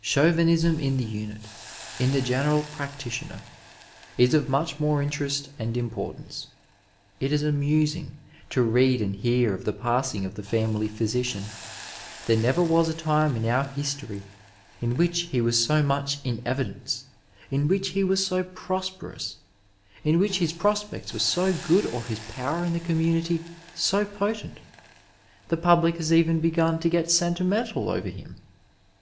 Chauvinism in the unit, in the general practitioner, is oi much more interest and importance. It is amusing to read and hear of the passing of the family phjrsician. There never was a time in our history in which he was so 296 Digitized by Google CHAUVINISM IN BtEDICINE much in evidence, in which he wm bo prosperoiui, in which his prospects were so good or his power in the community so potent. The public has even began to get sentimental over him